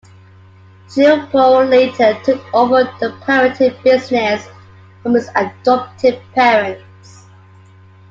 Cheung Po later took over the pirating business from his adoptive parents.